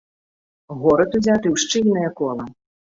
Горад узяты ў шчыльнае кола.